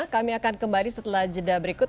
kami akan kembali setelah jeda berikut